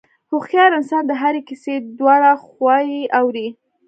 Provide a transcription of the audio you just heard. هوښیار انسان د هرې کیسې دواړه خواوې اوري.